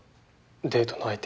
デートの相手。